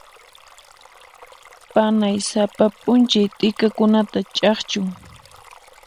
Panay sapa p'unchay t'ikakunata ch'akchun.